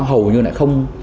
hầu như lại không